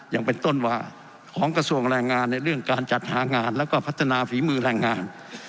ยังเป็นต้นว่าของกระทรวงแรงงานในเรื่องการจัดหางานแล้วก็พัฒนาฝีมือแรงงาน